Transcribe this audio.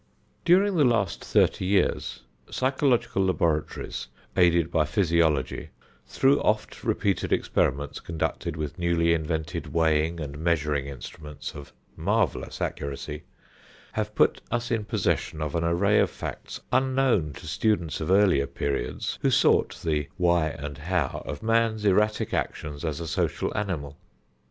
During the last thirty years, psychological laboratories, aided by physiology, through oft repeated experiments conducted with newly invented weighing and measuring instruments of marvelous accuracy, have put us in possession of an array of facts unknown to students of earlier periods, who sought the "why and the how" of man's erratic actions as a social animal.